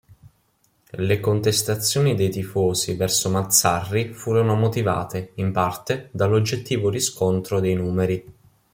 Le contestazioni dei tifosi verso Mazzarri furono motivate, in parte, dall'oggettivo riscontro dei numeri.